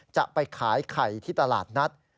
จะไปขายไข่ที่ตลาดนัด